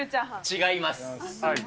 違います。